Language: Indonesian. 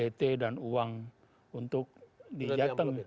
lihat kan ott dan uang untuk di jateng